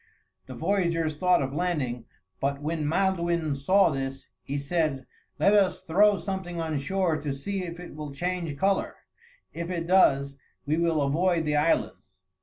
The voyagers thought of landing, but when Maelduin saw this, he said, "Let us throw something on shore to see if it will change color. If it does, we will avoid the island."